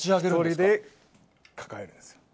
１人で抱えるんですよ。